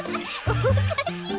おかしい！